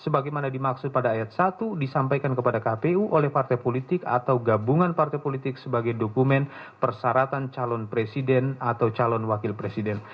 sebagaimana dimaksud pada ayat satu disampaikan kepada kpu oleh partai politik atau gabungan partai politik sebagai dokumen persyaratan calon presiden atau calon wakil presiden